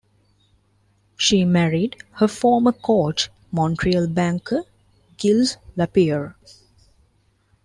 She married her former coach, Montreal banker Gilles Lapierre.